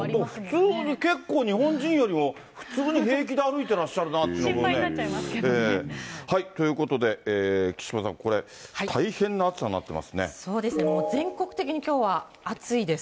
普通に結構、日本人よりも、普通に平気で歩いてらっしゃるなというのもね。ということで、木島さん、そうですね、もう全国的にきょうは暑いです。